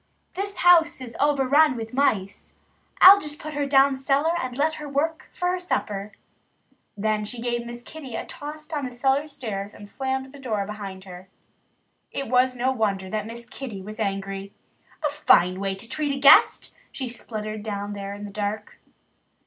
"This house is overrun with mice. I'll just put her down cellar and let her work for her supper." Then she gave Miss Kitty a toss down the cellar stairs and slammed the door behind her. It was no wonder that Miss Kitty Cat was angry. "A fine way to treat a guest!" she spluttered down there in the dark.